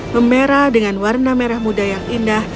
memerah dengan warna merah muda yang indah